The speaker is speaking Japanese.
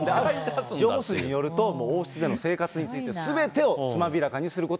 情報筋によると、王室での生活について、すべてをつまびらかにす